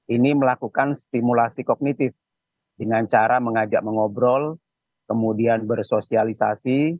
ini melakukan stimulasi kognitif dengan cara mengajak mengobrol kemudian bersosialisasi